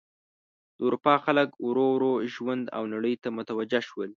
د اروپا خلک ورو ورو ژوند او نړۍ ته متوجه شول.